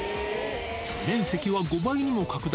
面積は５倍にも拡大。